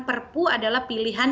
perpu adalah pilihan